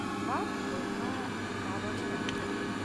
Баш булһа, табылыр әле.